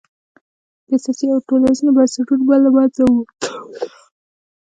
د سیاسي او ټولنیزو بنسټونو په له منځه تلو سره